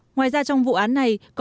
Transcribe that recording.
ngoài ra trong vụ án này